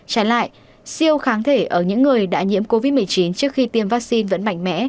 trái lại siêu kháng thể ở những người đã nhiễm covid một mươi chín trước khi tiêm vaccine vẫn mạnh mẽ